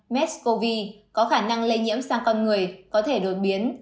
meds cov có khả năng lây nhiễm sang con người có thể đột biến